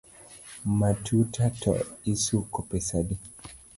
Matuta to isuko pesa adi?